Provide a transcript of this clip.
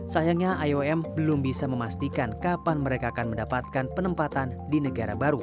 sayangnya iom belum bisa memastikan kapan mereka akan mendapatkan penempatan di negara baru